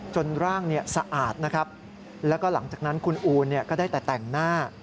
ร่างสะอาดนะครับแล้วก็หลังจากนั้นคุณอูนก็ได้แต่แต่งหน้า